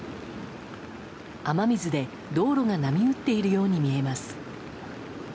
雨水で、道路が波打っているように見えます。